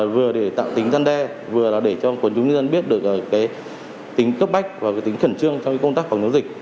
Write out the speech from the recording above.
vừa để tạo tính gian đe vừa là để cho quần chúng nhân dân biết được tính cấp bách và tính khẩn trương trong công tác phòng chống dịch